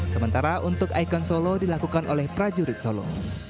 sementara untuk ikon solo dilakukan oleh prajurit solo